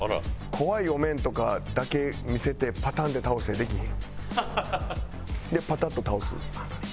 怖いお面とかだけ見せてパタンって倒したりできひん？でパタッと倒す。